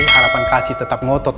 harapan kasih tetap ngotot